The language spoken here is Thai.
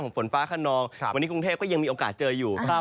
วันนี้กรุงเทพก็ยังมีโอกาสเจออยู่